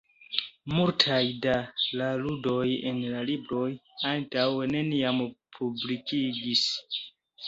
Multaj da la ludoj en la libro antaŭe neniam publikigis.